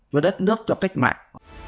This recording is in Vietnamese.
với đất nước cho cách mạng